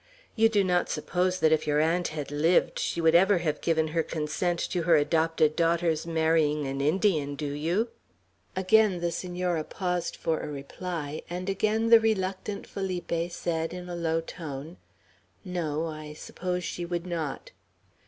You do not suppose that if your aunt had lived, she would have ever given her consent to her adopted daughter's marrying an Indian, do you?" Again the Senora paused for a reply, and again the reluctant Felipe said, in a low tone, "No, I suppose she would not."